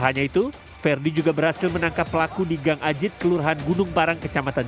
hanya itu ferdi juga berhasil menangkap pelaku di gang ajit kelurahan gunung parang kecamatan